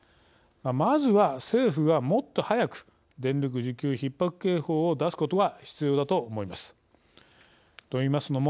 まずは、政府がもっと早く電力需給ひっ迫警報を出すことが必要だと思います。